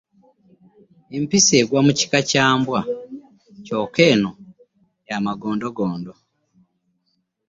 Empisi egwa mu kika kya mbwa, kyokka eno nga ya magondogondo.